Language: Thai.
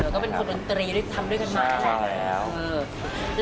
ก็เป็นคนดนตรีทำด้วยกันมานานละ